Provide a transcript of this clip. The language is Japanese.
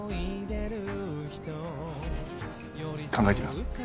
考えてみます。